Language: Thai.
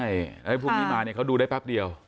อะไรพวกนี้มาเนี่ยเขาดูได้แป๊บเดียว